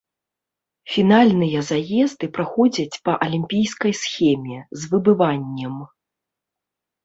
Фінальныя заезды праходзяць па алімпійскай схеме, з выбываннем.